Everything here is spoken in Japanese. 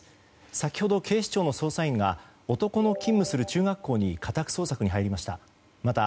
先ほど警視庁の捜査員が男の勤務する中学校に家宅捜索に入りました。